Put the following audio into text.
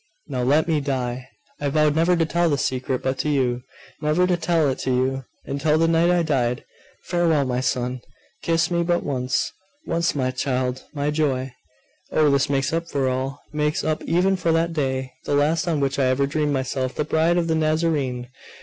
'Now, let me die! I vowed never to tell this secret but to you: never to tell it to you, until the night I died. Farewell, my son! Kiss me but once once, my child, my joy! Oh, this makes up for all! Makes up even for that day, the last on which I ever dreamed myself the bride of the Nazarene!